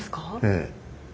ええ。